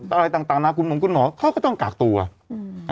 อะไรต่างต่างนาคุณหมอเขาก็ต้องกากตัวอืม